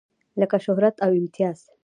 لکه شهرت او امتياز.